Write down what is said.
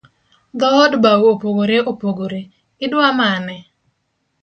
Dhood bau opogore opogore, idua mane?